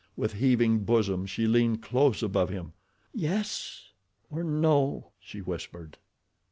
With heaving bosom she leaned close above him. "Yes or no?" she whispered.